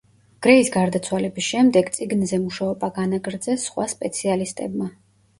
გრეის გარდაცვალების შემდეგ წიგნზე მუშაობა განაგრძეს სხვა სპეციალისტებმა.